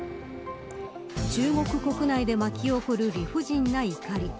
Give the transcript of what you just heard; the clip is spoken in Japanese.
中国国内で巻き起こる理不尽な怒り。